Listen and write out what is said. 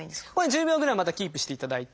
１０秒ぐらいまたキープしていただいて。